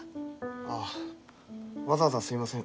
ああわざわざすいません。